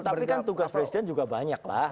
tapi kan tugas presiden juga banyak lah